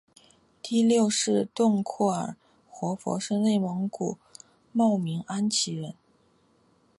第六世洞阔尔活佛是内蒙古茂明安旗人。